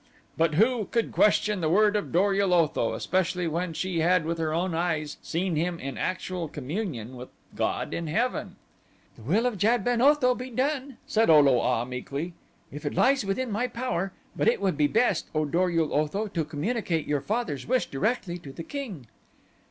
But who could question the word of Dor ul Otho, especially when she had with her own eyes seen him in actual communion with god in heaven? "The will of Jad ben Otho be done," said O lo a meekly, "if it lies within my power. But it would be best, O Dor ul Otho, to communicate your father's wish directly to the king."